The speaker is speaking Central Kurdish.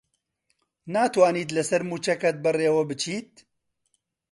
ناتوانیت لەسەر مووچەکەت بەڕێوە بچیت؟